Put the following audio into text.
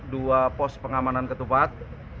dua pos pengamanan ketupat